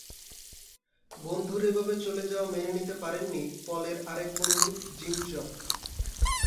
বন্ধুর এভাবে চলে যাওয়া মেনে নিতে পারেননি পলের আরেক বন্ধু জিম ট্রপ।